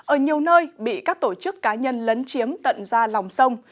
ở nhiều nơi bị các tổ chức cá nhân lấn chiếm tận ra lòng sông